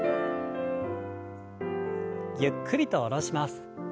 ゆっくりと下ろします。